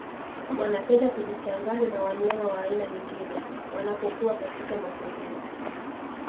Wanapenda kujichanganya na wanyama wa aina nyingine wanapokuwa katika matembezi